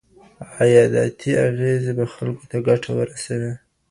عایداتي اغېزې به خلګو ته ګټه ورسوي.